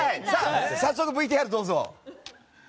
早速ＶＴＲ、どうぞ。